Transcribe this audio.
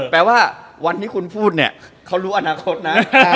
แปลว่าวันที่คุณพูดเนี่ยเขารู้อนาคตนะ